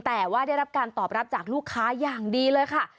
แต่ว่าได้รับการตอบรับจากลูกค้าอย่างดีเลยค่ะ